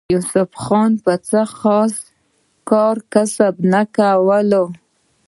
يوسف خان به څۀ خاص کار کسب نۀ کولو